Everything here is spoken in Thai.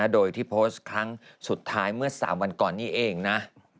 โดยที่โพสต์ครั้งสุดท้ายเมื่อ๓วันก่อนนี้เองนะ